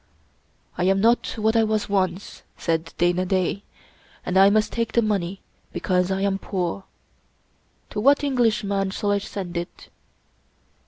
" I am not what I was once," said Dana Da, " and I must take the money because I am poor. To what Eng lishman shall I send it?"